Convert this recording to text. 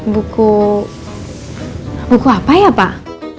buku apa ya pak